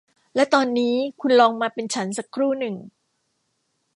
และตอนนี้คุณลองมาเป็นฉันสักครู่หนึ่ง